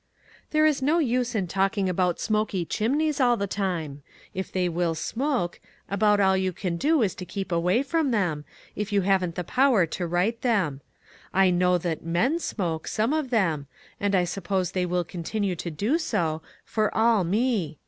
"There is no use in talking about smoky chimneys all the time; if they will smoke, about all you can do is to keep away from MISS WAINWRIGHT'S "MUDDLE." 31 them, if you haven't the power to right them. I know that men smoke, some of them, and I suppose they will continue to do so, for all me